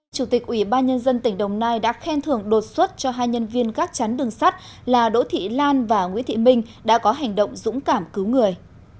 chủ tịch ủy ban nhân dân tỉnh đồng nai đã khen thưởng đột xuất cho hai nhân viên gác chắn đường sắt là đỗ thị lan và nguyễn thị minh đã có hành động dũng cảm cứu người